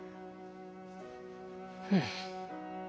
うん。